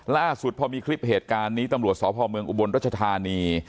ล่าสุดพอมีคลิปเหตุการณ์นี้ตำรวจสพเมืองอุบลรัชธานี